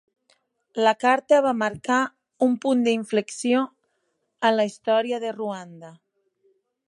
La carta va marcar un punt d'inflexió en la història de Ruanda.